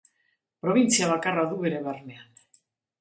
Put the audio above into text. Probintzia bakarra du bere barnean.